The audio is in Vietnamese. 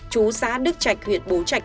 chú xã đức trạch huyện bố trạch quảng trị